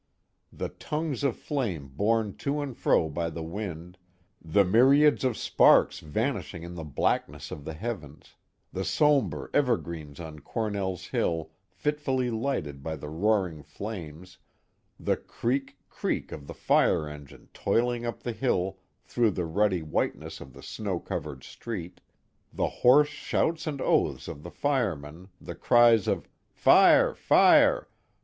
The tongues of flame borne to and fro by the wind, the myriads of sparks vanishing in the blackness of the heavens, the sombre ever greens on Cornell's Hill fitfully lighted by the roaring flames, the creak, creak of the fire engine toiling up the hill through the ruddy whiteness of the snow covered street, the hoarse shouts and oaths of the firemen, the cries of Fire! fire!!